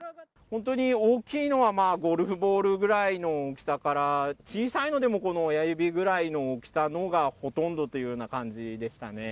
本当に大きいのは、まあゴルフボールぐらいの大きさから、小さいのでも、この親指くらいの大きさのほうがほとんどという感じでしたね。